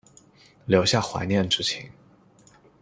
留下怀念之情